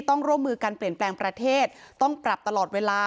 ต้องร่วมมือการเปลี่ยนแปลงประเทศต้องปรับตลอดเวลา